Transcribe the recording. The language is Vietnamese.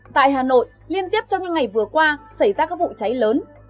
tại hà nội liên tiếp trong những ngày vừa qua xảy ra các vụ cháy lớn